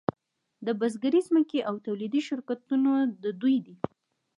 د بزګرۍ ځمکې او تولیدي شرکتونه د دوی دي